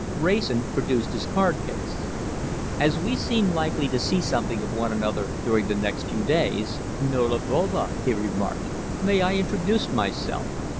Wrayson produced his card case. "As we seem likely to see something of one another during the next few days, nolens volens," he remarked, "may I introduce myself?